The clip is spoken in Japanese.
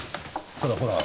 ただほら。